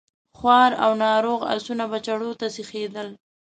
خوار او ناروغ آسونه به چړو ته سيخېدل.